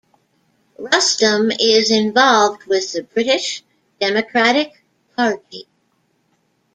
Rustem is involved with the British Democratic Party.